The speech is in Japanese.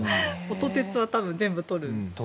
音鉄は多分、全部とる。